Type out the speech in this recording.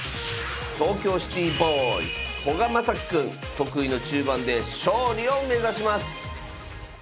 得意の中盤で勝利を目指します。